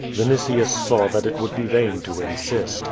Yinitius saw that it would be vain to insist.